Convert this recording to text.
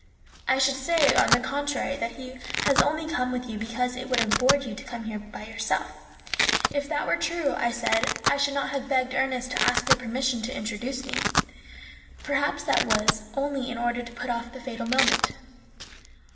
"I should say, on the contrary, that he has only come with you because it would have bored you to come here by yourself." "If that were true," I said, "I should not have begged Ernest to ask your permission to introduce me." "Perhaps that was only in order to put off the fatal moment."